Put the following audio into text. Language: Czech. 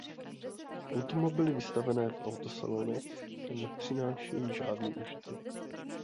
Automobily vystavené v autosalonech nepřinášejí žádný užitek.